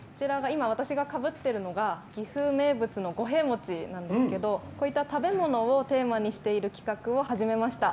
今、私がかぶっているのが岐阜名物の五平餅なんですけどこういった食べ物をテーマにしている企画を始めました。